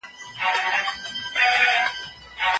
سیاستوال باید له علمي موندنو ګټه واخلي.